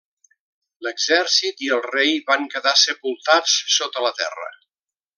L'exèrcit i el rei van quedar sepultats sota la terra.